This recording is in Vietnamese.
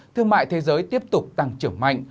thương mại thế giới tiếp tục tăng trưởng mạnh